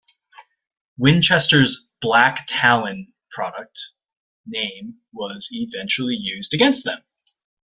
Winchester's "Black Talon" product name was eventually used against them.